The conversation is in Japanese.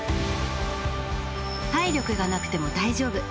体力がなくても大丈夫。